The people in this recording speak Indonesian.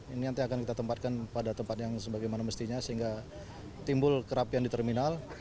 ini nanti akan kita tempatkan pada tempat yang sebagaimana mestinya sehingga timbul kerapian di terminal